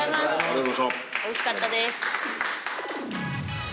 おいしかったです。